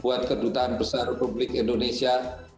buat kedutaan besar republik indonesia